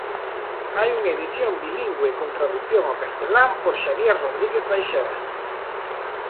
Hai unha edición bilingüe con tradución ao castelán por Xavier Rodríguez Baixeras.